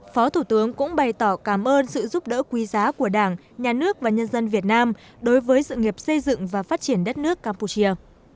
phó thủ tướng cũng bày tỏ cảm ơn sự giúp đỡ quý giá của đảng nhà nước và nhân dân việt nam đối với sự nghiệp xây dựng và phát triển đất nước campuchia